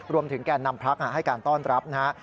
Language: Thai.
รวมถึงแก่นนำพักษ์ให้การต้อนรับนะฮะ